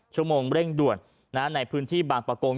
ชั่วโมงเร่งด่วนในพื้นที่บางประกง